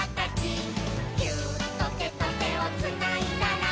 「ギューッとてとてをつないだら」